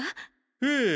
ええ。